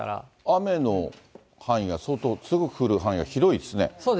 雨の範囲が、相当強く降る範囲が広いですね。